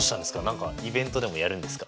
何かイベントでもやるんですか？